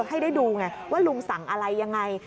ให้ได้ดูไงว่าลุงสั่งอะไรยังไง